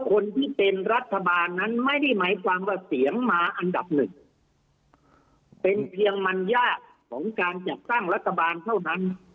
คนที่เป็นรัฐบาลนั้นไม่ได้หมายความว่าเสียงมาอันดับหนึ่งเป็นเพียงมันยากของการจัดตั้งรัฐบาลเท่านั้น